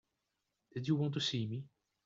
Did you want to see me?